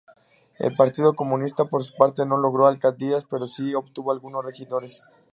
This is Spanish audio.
El Partido Comunista por su parte, no logró alcaldías, pero si obtuvo algunos regidores.